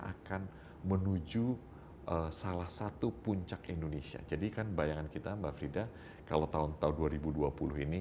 akan menuju salah satu puncak indonesia jadi kan bayangan kita mbak frida kalau tahun tahun dua ribu dua puluh ini